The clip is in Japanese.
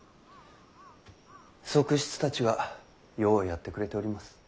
側室たちがようやってくれております。